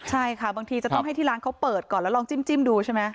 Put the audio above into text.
ใช่ค่ะบางทีจะต้องให้ที่ร้านเขาเปิดก่อนแล้วลองจิ้มดูใช่ไหม